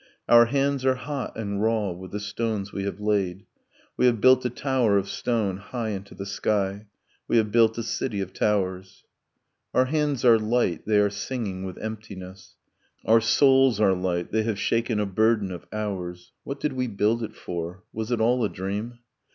Our hands are hot and raw with the stones we have laid, We have built a tower of stone high into the sky, We have built a city of towers. Our hands are light, they are singing with emptiness. Our souls are light; they have shaken a burden of hours ... What did we build it for? Was it all a dream?